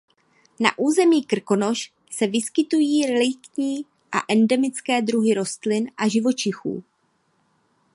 Na území Krkonoš se vyskytují reliktní a endemické druhy rostlin a živočichů.